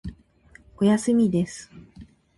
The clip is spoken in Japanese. おやすみです。